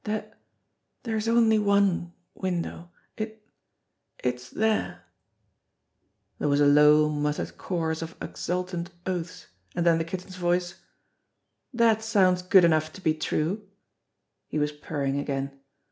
There there's only one window. It it's there." THE PIECES OF A PUZZLE 241 There was a low, muttered chorus of exultant oaths ; and then the Kitten's voice : "Dat sounds good enough to be true." He was purring again.